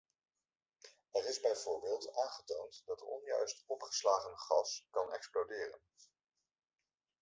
Er is bijvoorbeeld aangetoond dat onjuist opgeslagen gas kan exploderen.